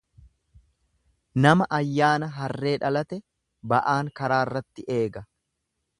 Nama ayyaana harree dhalate ba'aan karaarratti eega.